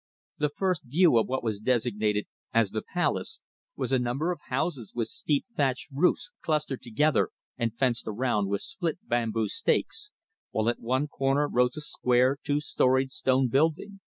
The first view of what was designated as the palace was a number of houses with steep thatched roofs clustered together and fenced around with split bamboo stakes, while at one corner rose a square two storeyed stone building.